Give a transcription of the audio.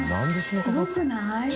すごくない？